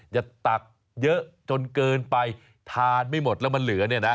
อย่าตักเยอะจนเกินไปทานไม่หมดแล้วมันเหลือ